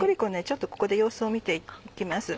ちょっとここで様子を見て行きます。